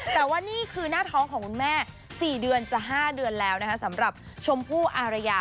แต่ว่านี่คือหน้าท้องของคุณแม่๔เดือนจะ๕เดือนแล้วนะคะสำหรับชมพู่อารยา